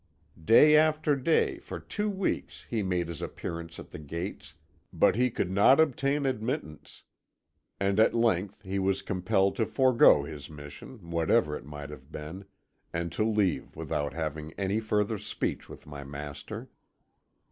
Day after day, for two weeks, he made his appearance at the gates, but he could not obtain admittance, and at length he was compelled to forego his mission, whatever it might have been, and to leave without having any further speech with my master.